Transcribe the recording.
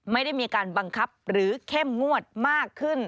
ไม่ได้มีการบังคับหรือเข้มงวดมากขึ้น